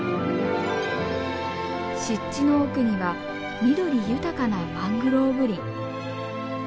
湿地の奥には緑豊かなマングローブ林。